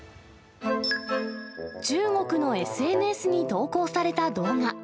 中国のＳＮＳに投稿された動画。